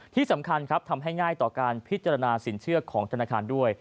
ที่สำคัญครับทำให้ง่ายต่อการพิจารณาสินเชื่อของธนาคารด้วย